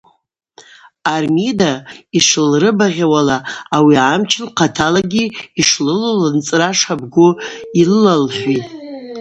Армида йшылрыбагъьауала, ауи амч лхъаталагьи йшлылу лынцӏра шабгу йлылалхӏвитӏ.